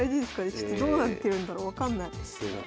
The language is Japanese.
ちょっとどうなってるんだろう分かんない。